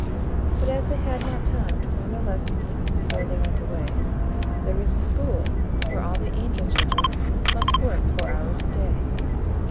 But as they had not time to learn their lessons Before they went away, There is a school, where all the angel children Must work four hours a day.